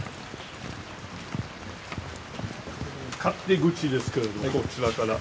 勝手口ですけれどこちらから。